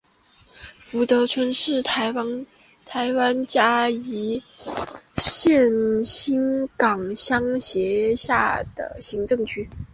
福德村是台湾嘉义县新港乡辖下的行政区。